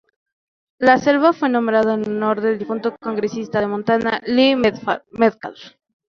La selva fue nombrada en honor del difunto congresista de Montana Lee Metcalf.